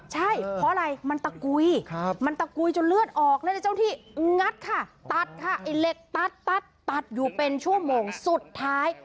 ใช่เพราะอะไรมันตะกุยมันตะกุยจนเลือดออกแล้วในเจ้าที่งัดค่ะตัดค่ะไอ้เหล็กตัดตัดอยู่เป็นชั่วโมงสุดท้าย